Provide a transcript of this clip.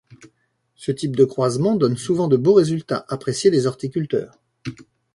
Ce type de croisement donne souvent de beaux résultats appréciés des horticulteurs.